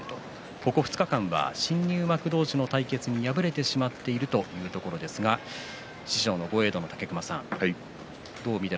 ここ２日間は新入幕同士の対決に敗れてしまっているというところですが師匠の豪栄道の武隈さん